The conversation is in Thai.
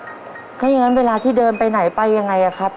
ถ้าอย่างนั้นเวลาที่เดินไปไหนไปยังไงครับ